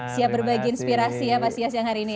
siap berbagi inspirasi ya pak sias yang hari ini ya